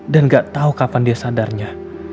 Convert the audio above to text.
dan gak tahu kapan dia sadarnya